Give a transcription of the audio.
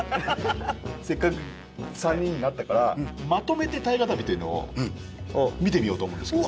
せっかく３人になったからまとめて「大河たび」というのを見てみようと思うんですけど。